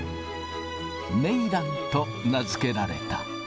メイランと名付けられた。